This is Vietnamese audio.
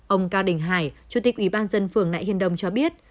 ông cao đình hải chủ tịch ủy ban dân phường nại hiên đông cho biết